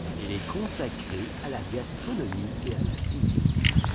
Elle est consacrée à la gastronomie et à la cuisine.